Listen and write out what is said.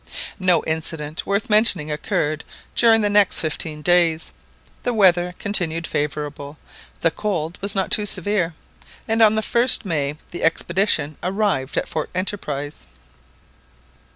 No incident worth mentioning occurred during the next fifteen days. The weather continued favourable, the cold was not too severe, and on the 1st May the expedition arrived at Fort Enterprise.